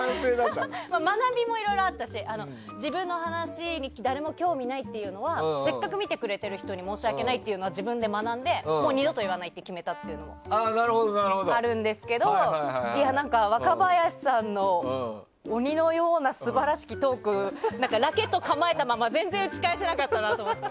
学びもいろいろあったし自分の話に誰も興味ないっていうのはせっかく見てくれている人に申し訳ないっていうのは自分で学んでもう二度と言わないって決めたのもあるんですけど若林さんの鬼のような素晴らしきトークラケットを構えたまま全然打ち返せなかったなと思って。